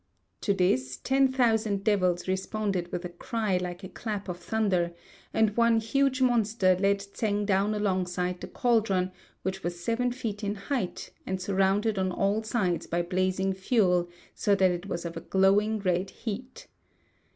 To this ten thousand devils responded with a cry like a clap of thunder, and one huge monster led Tsêng down alongside the cauldron, which was seven feet in height, and surrounded on all sides by blazing fuel, so that it was of a glowing red heat.